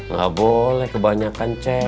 nggak boleh kebanyakan ya